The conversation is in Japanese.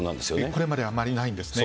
これまであまりないんですね。